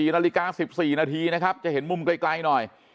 นาฬิกา๑๔นาทีนะครับจะเห็นมุมไกลหน่อย